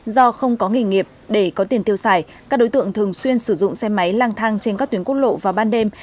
do không có nghề nghiệp để có tiền tiêu xài các đối tượng thường xuyên sử dụng xe máy lang thang trên các tuyến quốc lộ vào ban đêm